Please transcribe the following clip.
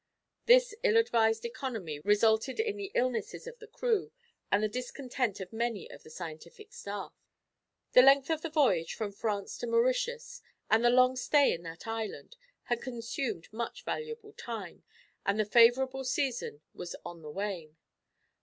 This ill advised economy resulted in the illnesses of the crew, and the discontent of many of the scientific staff. The length of the voyage from France to Mauritius, and the long stay in that island, had consumed much valuable time, and the favourable season was on the wane.